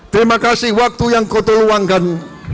terima kasih waktu yang kau tuangkan